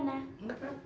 ya udah kerja aja